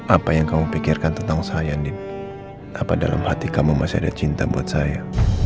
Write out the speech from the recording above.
apa yang kamu pikirkan tentang saya dalam hati kamu masih ada cinta buat saya